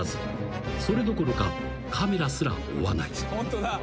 ［それどころかカメラすら追わない］